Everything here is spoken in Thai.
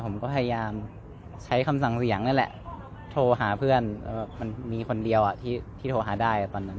ผมก็พยายามใช้คำสั่งเหวี่ยงนี่แหละโทรหาเพื่อนมันมีคนเดียวที่โทรหาได้ตอนนั้น